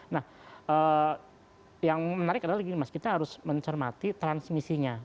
nah yang menarik adalah gini mas kita harus mencermati transmisinya